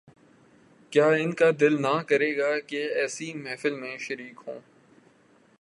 کیا ان کا دل نہ کرے گا کہ ایسی محفل میں شریک ہوں۔